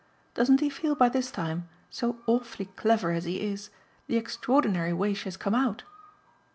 Doesn't he feel by this time so awfully clever as he is the extraordinary way she has come out?"